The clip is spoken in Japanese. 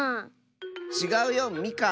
ちがうよみかん！